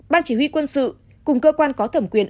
ban chỉ huy quân sự cùng cơ quan có thẩm quyền